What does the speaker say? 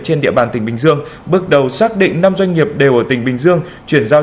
trên địa bàn tỉnh bình dương bước đầu xác định năm doanh nghiệp đều ở tỉnh bình dương chuyển giao